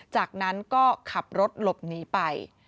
จากนั้นก็ขับรถหลบหนีไป